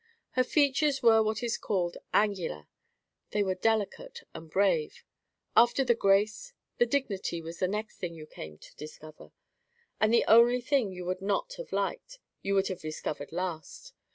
Her features were what is called regular. They were delicate and brave.—After the grace, the dignity was the next thing you came to discover. And the only thing you would not have liked, you would have discovered last.